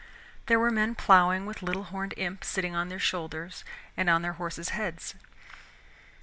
There were men plowing with little horned imps sitting on their shoulders and on their horses' heads.